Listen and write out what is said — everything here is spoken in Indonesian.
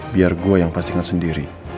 biar gue yang pastikan sendiri